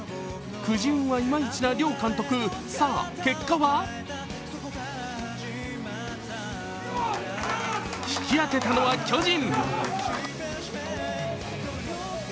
くじ運は、いまいちな両監督、さあ、結果は引き当てたのは巨人。